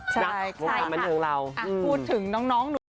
ใช่ใช่พูดถึงน้องหนู